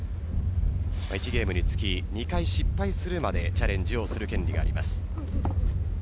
１ゲームにつき２回失敗するまでチャレンジをする権利があります。